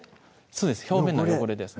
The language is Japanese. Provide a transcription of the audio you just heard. そうです表面の汚れです